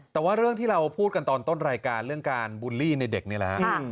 แต่ว่าเรื่องที่เราพูดกันตอนต้นรายการเรื่องการบูลลี่ในเด็กนี่แหละฮะ